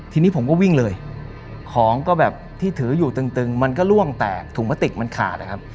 ทีนี้ผมก็วิ่งเลยของก็แบบที่ถืออยู่ตึงมันก็ล่วงแตกถุงพลาสติกมันขาดนะครับ